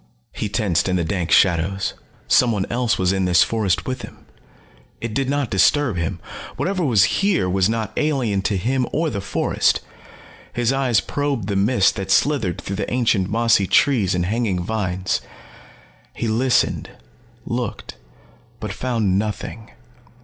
He tensed in the dank shadows. Someone else was in this forest with him. It did not disturb him. Whatever was here was not alien to him or the forest. His eyes probed the mist that slithered through the ancient mossy trees and hanging vines. He listened, looked, but found nothing.